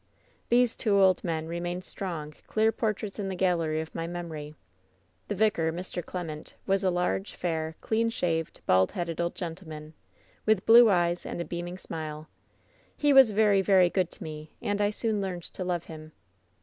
"These two old men remain strong, clear portraits in the gallery of my memory. "The vicar, Mr. Clement, was a large, fair, clean thaved, bald headed old gentleman, with blue eyes and a beaming smile. He was very, very good to me, and I soon learned to love him.